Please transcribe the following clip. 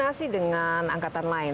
nah koordinasi dengan angkatan lain